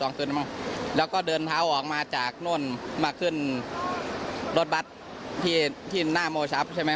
๒วัน๒คนอาวุธและก็เดินทั้งออกมาจากโน้นมาขึ้นรถบัตรที่ที่หน้าโมชัปทัวร์ใช่ไหม